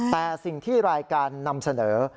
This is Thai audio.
แต่สิ่งที่รายการนำเสนอ